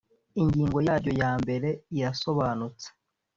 ingingo yaryo ya mbere irasobanutse